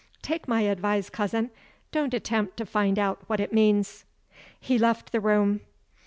"Take my advice, cousin. Don't attempt to find out what it means." He left the room.